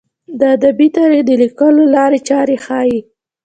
د ادبي تاریخ د لیکلو لارې چارې ښيي.